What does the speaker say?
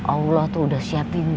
allah tuh udah siapin